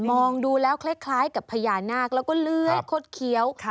มองดูแล้วคล้ายกับพญานาคแล้วก็เลื้อยคดเคี้ยว